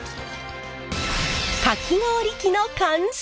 かき氷機の完成！